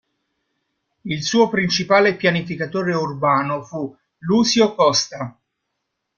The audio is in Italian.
Il suo principale pianificatore urbano fu Lúcio Costa.